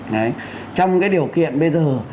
đấy trong cái điều kiện bây giờ